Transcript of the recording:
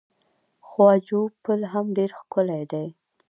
خواجو پل هم ډیر ښکلی دی.